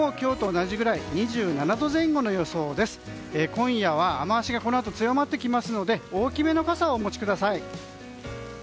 今夜は雨脚がこのあと強まってきますので大きめの傘をお持ちください。